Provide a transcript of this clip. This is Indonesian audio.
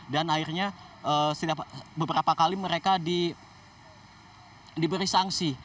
dan akhirnya beberapa kali mereka diberi sanksi